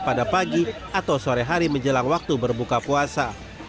pada pagi atau sore hari menjelang waktu berbuka puasa